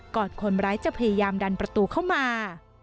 คนร้ายจะพยายามดันประตูเข้ามา